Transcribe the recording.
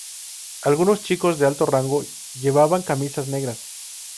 Algunos chicos de alto rango llevaban camisas negras.